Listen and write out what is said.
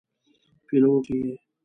پیلوټ یې.